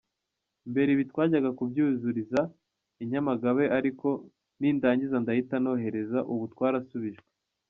Mbere ibi twajyaga kubyuzuriza i Nyamagabe ariko nindangiza ndahita nohereza, ubu twarasubijwe.